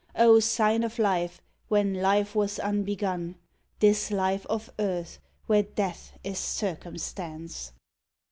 O sign of life when life was unbegun, This life of earth where death is circumstance